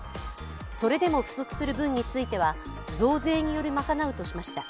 それでも不足する分については増税により賄うとしました。